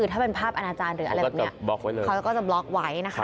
ถ้าเป็นภาพอนาจารย์เขาก็จะบล็อกไว้